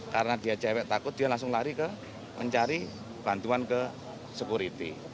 karena dia cewek takut dia langsung lari ke mencari bantuan ke sekuriti